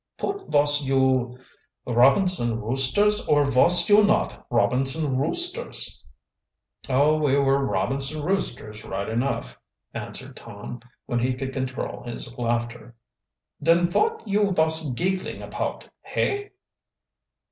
"Put vos you Robinson Roosters or vos you not Robinson Roosters?" "Oh, we were Robinson Roosters right enough," answered Tom, when he could control his laughter. "Den vot you vos giggling apout, hey?"